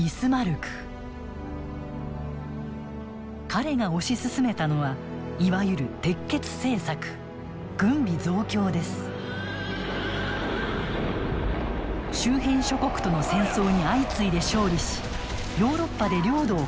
彼が推し進めたのはいわゆる周辺諸国との戦争に相次いで勝利しヨーロッパで領土を拡大していきます。